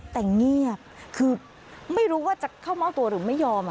แต่เงียบคือไม่รู้ว่าจะเข้ามอบตัวหรือไม่ยอม